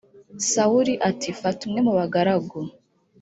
sawuli ati “fata umwe mu bagaragu”